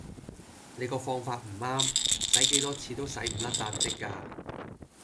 你個放法唔啱洗幾多次都洗唔甩撻漬架